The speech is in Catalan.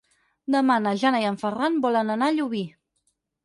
Demà na Jana i en Ferran volen anar a Llubí.